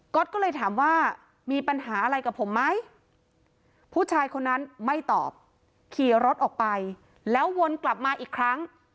ก็เลยถามว่ามีปัญหาอะไรกับผมไหมผู้ชายคนนั้นไม่ตอบขี่รถออกไปแล้ววนกลับมาอีกครั้ง